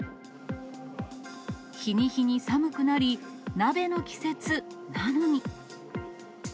日に日に寒くなり、鍋の季節なのに。